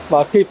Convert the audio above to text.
và kịp thời